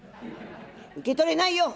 「受け取れないよ。